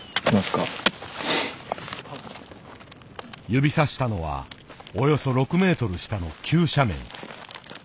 指さしたのはおよそ６メートル下の急斜面。